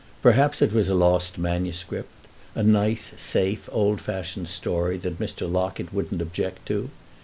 Perhaps it was a lost manuscript—a nice, safe, old fashioned story that Mr. Locket wouldn't object to.